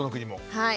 はい。